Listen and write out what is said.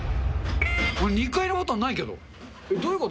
２階のボタンないけど、どういうこと？